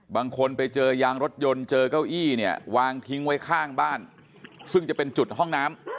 บางคนไปเจอยางรถยนต์เจอเก้าอี้เนี่ยวางทิ้งไว้ข้างบ้านซึ่งจะเป็นจุดห้องน้ำ